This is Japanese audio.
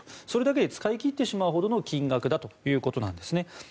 それだけで使い切ってしまうほどの金額だということなんですね。